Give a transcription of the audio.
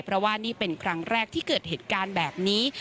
เพราะว่านี่เป็นครั้งแรกที่เกิดเหตุการณ์แบบนี้